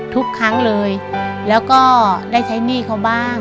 ทุกครั้งเลยแล้วก็ได้ใช้หนี้เขาบ้าง